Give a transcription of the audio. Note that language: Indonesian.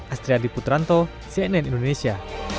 astri adi putranto cnn indonesia